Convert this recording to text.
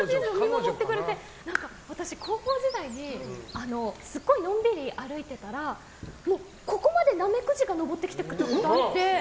私、高校時代にすごいのんびり歩いてたらここまでナメクジが上ってきたことがあって。